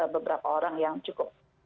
beberapa orang yang cukup